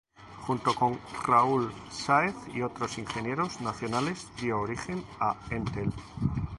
Junto con Raúl Sáez y otros ingenieros nacionales dio origen a Entel.